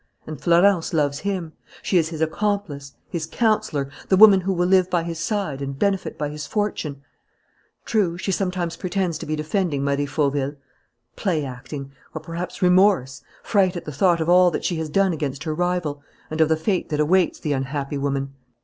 And Florence loves him. She is his accomplice, his counsellor, the woman who will live by his side and benefit by his fortune.... True, she sometimes pretends to be defending Marie Fauville. Play acting! Or perhaps remorse, fright at the thought of all that she has done against her rival, and of the fate that awaits the unhappy woman!